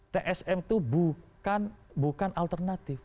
tsm itu bukan alternatif